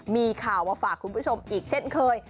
มีข่าวมาฝากคุณผู้ชมอีกเช่นเคย